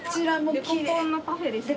デコポンのパフェですね。